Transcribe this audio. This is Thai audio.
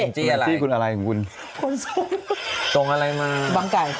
อันเจ๊คุณอะไรคุณคุณตรงอะไรมาบางไก่